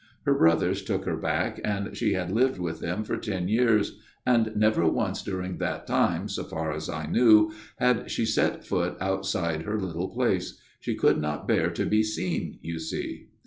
Her brothers took her back, and she had lived with them for ten years, and never once during that time, so far as I knew, had she set foot outside her little place. She could not bear to be seen, you see."